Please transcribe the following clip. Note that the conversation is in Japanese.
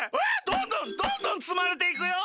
どんどんどんどんつまれていくよ。